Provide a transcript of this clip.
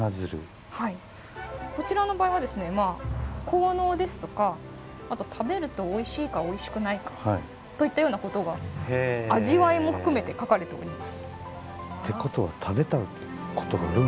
こちらの場合は効能ですとかあと食べるとおいしいかおいしくないかといったようなことがってことは食べたことがあるんか。